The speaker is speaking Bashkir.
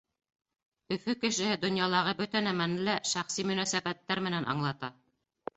Өфө кешеһе донъялағы бөтә нәмәне лә шәхси мөнәсәбәттәр менән аңлата.